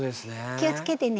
気を付けてね